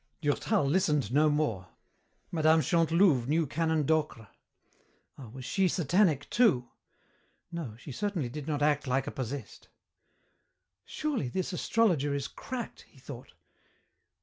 Durtal listened no more. Mme. Chantelouve knew Canon Docre! Ah, was she Satanic, too? No, she certainly did not act like a possessed. "Surely this astrologer is cracked," he thought.